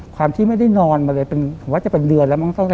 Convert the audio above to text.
ความที่ไม่ได้นอนจะเป็นเดือนแล้ว